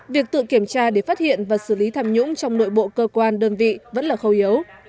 việc tự kiểm tra để phát hiện và xử lý tham nhũng trong nội bộ cơ quan đơn vị vẫn là khâu yếu